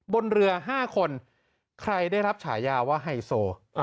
บนเรือ๕คนใครได้รับฉายาว่าไฮโซ